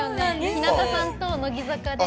日向坂さんと乃木坂で。